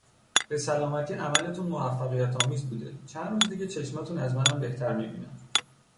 به سلامتی عملتون موفقیتآمیز بوده چند روز دیگه چشماتون از منم بهتر میبینن